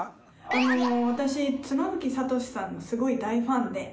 あの私妻夫木聡さんのすごい大ファンで。